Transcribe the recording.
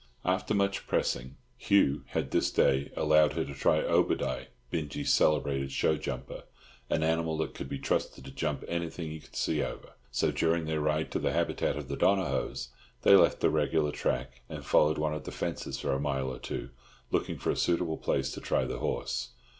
After much pressing, Hugh had this day allowed her to try Obadiah, Binjie's celebrated show jumper, an animal that could be trusted to jump anything he could see over; so during their ride to the habitat of the Donohoes they left the regular track, and followed one of the fences for a mile or two, looking for a suitable place to try the horse.